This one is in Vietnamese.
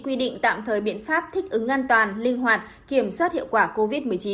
quy định tạm thời biện pháp thích ứng an toàn linh hoạt kiểm soát hiệu quả covid một mươi chín